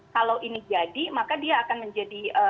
kalau ini jadi maka dia akan menjadi